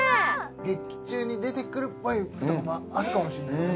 劇中に出てくるっぽい服とかもあるかもしんないですね